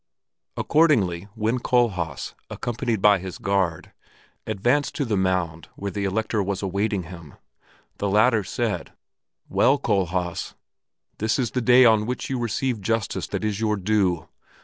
Accordingly when Kohlhaas, accompanied by his guard, advanced to the mound where the Elector was awaiting him, the latter said, "Well, Kohlhaas, this is the day on which you receive justice that is your due.